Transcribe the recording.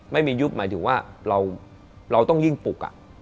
ยุบหมายถึงว่าเราต้องยิ่งปลุก